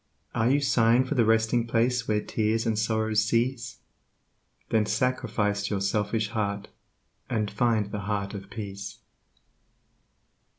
Are you sighing for the Resting Place where tears and sorrows cease? Then sacrifice your selfish heart and find the Heart of Peace.